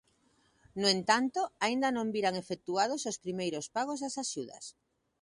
No entanto, aínda non viran efectuados os primeiros pagos das axudas.